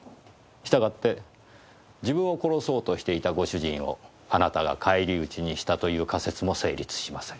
したがって自分を殺そうとしていたご主人をあなたが返り討ちにしたという仮説も成立しません。